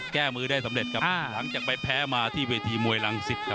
แก้มือได้สำเร็จครับหลังจากไปแพ้มาที่เวทีมวยรังสิตครับ